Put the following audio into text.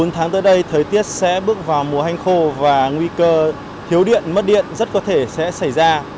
bốn tháng tới đây thời tiết sẽ bước vào mùa hanh khô và nguy cơ thiếu điện mất điện rất có thể sẽ xảy ra